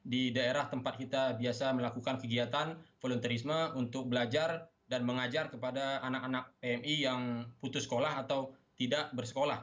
di daerah tempat kita biasa melakukan kegiatan volunteerisme untuk belajar dan mengajar kepada anak anak pmi yang putus sekolah atau tidak bersekolah